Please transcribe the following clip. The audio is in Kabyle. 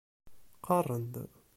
Qarren-d.